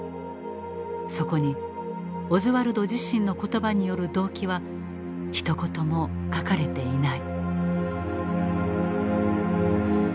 そこにオズワルド自身の言葉による動機はひと言も書かれていない。